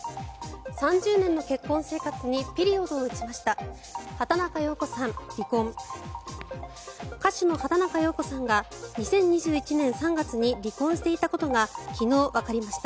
３０年の結婚生活にピリオドを打ちました。